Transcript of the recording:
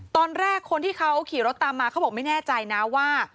ตอนแรกคนที่เขาขี่รถตามมาเขาบอกไม่แน่ใจนะว่า